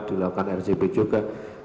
dilakukan rgp juga